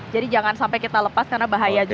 jangan sampai kita lepas karena bahaya juga